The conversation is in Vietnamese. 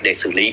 để xử lý